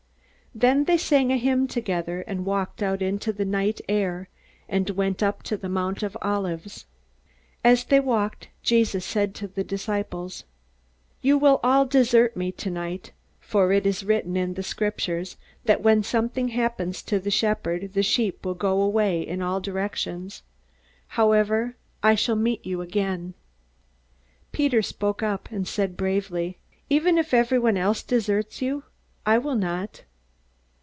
Then they sang a hymn together and walked out into the night air and went up the Mount of Olives. As they walked, Jesus said to the disciples: "You will all desert me tonight. For it is written in the Scriptures that when something happens to the shepherd the sheep will go away in all directions. However, I shall meet you again." Peter spoke up, and said bravely, "Even if everyone else deserts you, I will not!"